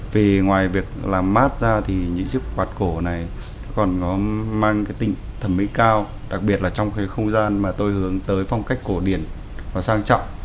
vì ngoài việc làm mát ra thì những chiếc quạt cổ này còn nó mang cái tính thẩm mỹ cao đặc biệt là trong cái không gian mà tôi hướng tới phong cách cổ điển nó sang trọng